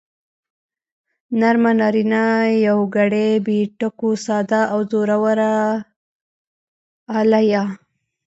نرمه نارينه يوگړې بې ټکو ساده او زورواله يا